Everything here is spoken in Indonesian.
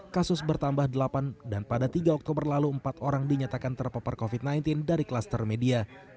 kasus bertambah delapan dan pada tiga oktober lalu empat orang dinyatakan terpapar covid sembilan belas dari klaster media